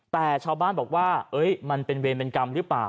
แต่ชาวบ้านบอกว่ามันเป็นเวรเป็นกรรมหรือเปล่า